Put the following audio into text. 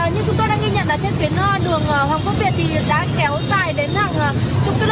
nhưng chúng tôi đang ghi nhận là trên tuyến đường hoàng quốc việt đã kéo dài đến hàng chục km rồi